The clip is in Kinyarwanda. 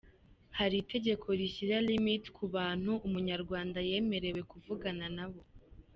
Hari itegeko rishyira limit ku bantu umunyarwanda yemerewe kuvugana nabo?